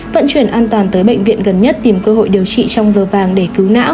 vận chuyển an toàn tới bệnh viện gần nhất tìm cơ hội điều trị trong giờ vàng để cứu não